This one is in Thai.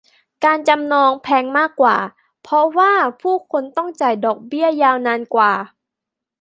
การจำนองแพงมากกว่าเพราะว่าผู้คนต้องจ่ายดอกเบี้ยยาวนานกว่า